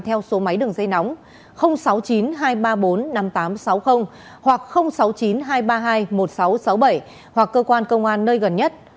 theo số máy đường dây nóng sáu mươi chín hai trăm ba mươi bốn năm nghìn tám trăm sáu mươi hoặc sáu mươi chín hai trăm ba mươi hai một nghìn sáu trăm sáu mươi bảy hoặc cơ quan công an nơi gần nhất